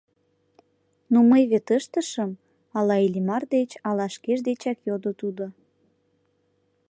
— Ну мый вет ыштышым? — ала Иллимар деч, ала шкеж дечак йодо тудо.